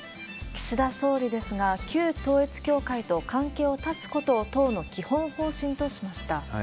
岸田総理ですが、旧統一教会と関係を断つことを党の基本方針としました。